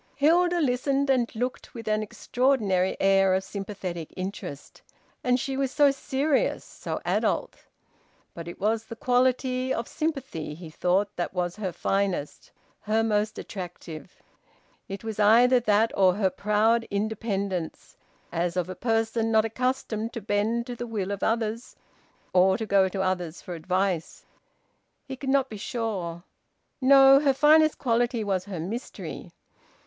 Hilda listened and looked with an extraordinary air of sympathetic interest. And she was so serious, so adult. But it was the quality of sympathy, he thought, that was her finest, her most attractive. It was either that or her proud independence, as of a person not accustomed to bend to the will of others or to go to others for advice. He could not be sure... No! Her finest quality was her mystery.